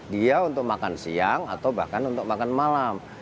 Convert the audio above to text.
dia untuk makan siang atau bahkan untuk makan malam